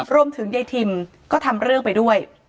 รวมถึงยายทิมก็ทำเรื่องไปด้วย